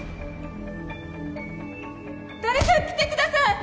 誰か来てください。